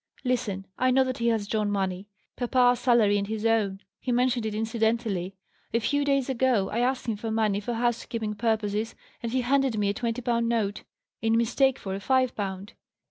"Listen. I know that he has drawn money papa's salary and his own: he mentioned it incidentally. A few days ago I asked him for money for housekeeping purposes, and he handed me a twenty pound note, in mistake for a five pound.